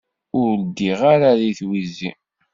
Ur ddiɣ ara deg twizi.